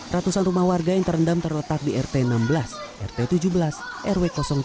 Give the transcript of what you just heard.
ratusan rumah warga yang terendam terletak di rt enam belas rt tujuh belas rw tiga